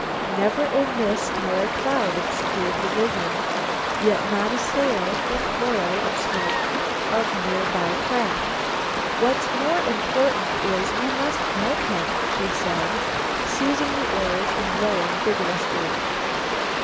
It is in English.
Never a mist nor a cloud obscured the vision, yet not a sail nor coil of smoke spoke of near by craft. "What's more important is, we must help him," she said, seizing the oars and rowing vigorously.